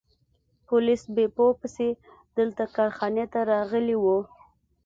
پولیس بیپو پسې دلته کارخانې ته راغلي وو.